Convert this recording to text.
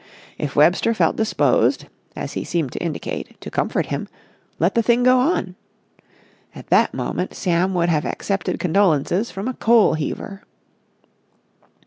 If Webster felt disposed, as he seemed to indicate, to comfort him, let the thing go on. At that moment Sam would have accepted condolences from a coal heaver.